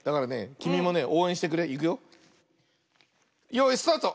よいスタート！